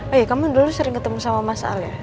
eh kamu dulu sering ketemu sama mas al ya